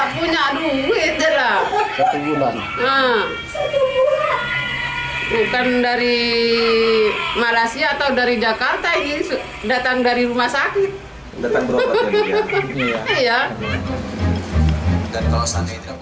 punya duit bukan dari malaysia atau dari jakarta datang dari rumah sakit